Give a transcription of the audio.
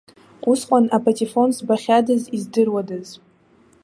Усҟан апатифон збахьадаз, издыруадаз.